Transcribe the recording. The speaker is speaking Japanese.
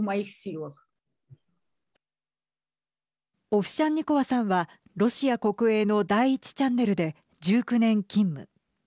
オフシャンニコワさんはロシア国営の第１チャンネルで１９年勤務。